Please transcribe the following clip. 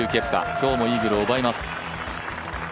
今日もイーグルを奪います。